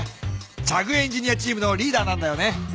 チャグ・エンジニアチームのリーダーなんだよね。